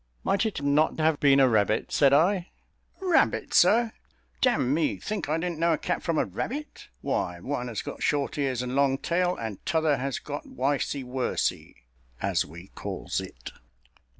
"Might it not have been a rabbit?" said I. "Rabbit, sir; d n me, think I didn't know a cat from a rabbit? Why one has got short ears and long tail, and t'other has got wicee wersee, as we calls it."